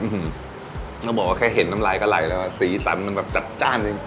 อือฮือบอกว่าจากเห็นน้ำลายก็ไหลแล้วสีสันมันแบบจัดจ้าน